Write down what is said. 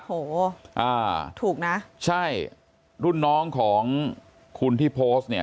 โหอ่าถูกนะใช่รุ่นน้องของคุณที่โพสต์เนี่ย